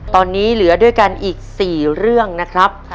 ตอนนี้เหลือด้วยกันอีก๔เรื่องนะครับ